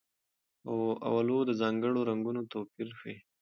اولو د ځانګړو رنګونو توپیر ښيي.